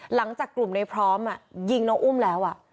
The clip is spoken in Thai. หลังจากกลุ่มในพร้อมยิงน้องอุ้มแล้ว